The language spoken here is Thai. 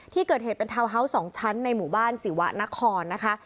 ที่เกิดเหตุเป็นทาวน์ฮาวส์๒ชั้นในหมู่บ้านศิวะนครนะคะ